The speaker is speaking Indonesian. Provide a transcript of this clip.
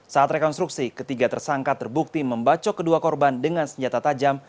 saat rekonstruksi ketiga tersangka terbukti membacok kedua korban dengan senjata tajam